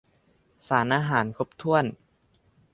สารอาหารครบถ้วน